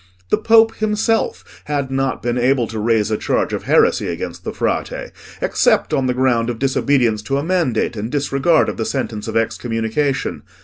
The Pope himself had not been able to raise a charge of heresy against the Frate, except on the ground of disobedience to a mandate, and disregard of the sentence of excommunication.